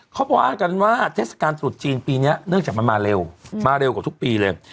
เขาประวัติการณ์ว่าเศรษฐการณ์สรุปจีนปีเนี้ยเนื่องจากมันมาเร็วมาเร็วกว่าทุกปีเลย